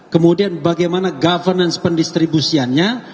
kemudian bagaimana governance pendistribusiannya